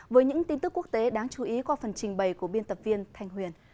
với những tin tức quốc tế đáng chú ý qua phần trình bày của biên tập viên thanh huyền